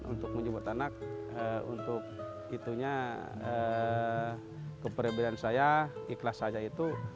untuk menyebut anak untuk itunya keperibadian saya ikhlas saja itu